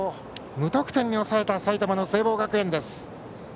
無得点に抑えた埼玉の聖望学園。